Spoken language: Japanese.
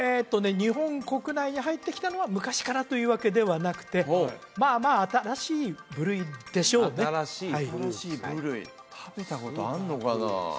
日本国内に入ってきたのは昔からというわけではなくてまあまあ新しい部類でしょうね新しい部類食べたことあんのかな？